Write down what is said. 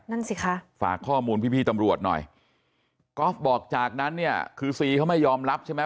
นั่นสิคะฝากข้อมูลพี่พี่ตำรวจหน่อยกอล์ฟบอกจากนั้นเนี่ยคือซีเขาไม่ยอมรับใช่ไหม